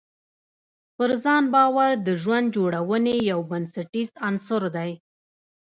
پر ځان باور د ژوند جوړونې یو بنسټیز عنصر دی.